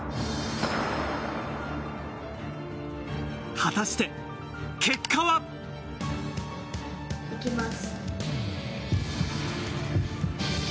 果たして、結果は。いきます。